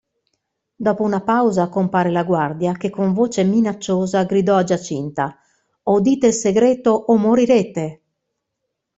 Dopo una pausa compare la guardia che con voce minacciosa gridò a Giacinta: "O dite il segreto o morirete!".